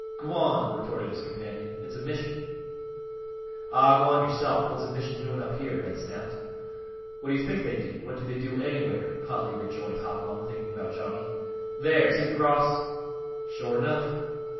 "G'wan!" retorted his companion. "It's a mission." "Ah, g'wan yorself! What's a mission doing up here?" Red snapped. "What do you think they do? What do they do anywhere?" hotly rejoined Hopalong, thinking about Johnny. "There! See th' cross?" "Shore enough!"